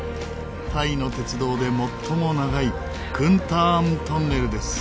タイの鉄道で最も長いクンターントンネルです。